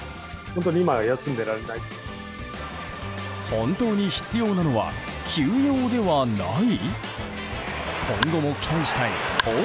本当に必要なのは休養ではない？